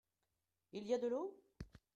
Il y a de l'eau ?